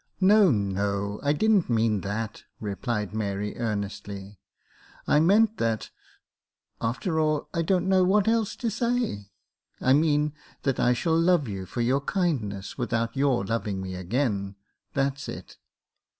" No, no, I didn't mean that," replied Mary, earnestly. " I meant that — after all, I don't know what else to say. I mean that I shall love you for your kindness, without your loving me again, that's it."